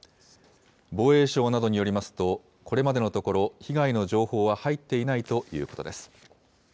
防衛省などによりますと、これまでのところ、被害の情報は入っていないということです。